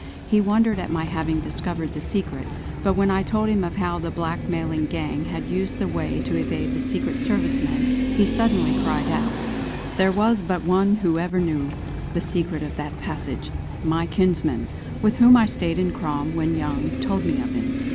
He wondered at my having discovered the secret; but when I told him of how the blackmailing gang had used the way to evade the Secret Service men, he suddenly cried out: "There was but one who ever knew the secret of that passage; my kinsman, with whom I stayed in Crom when young, told me of him.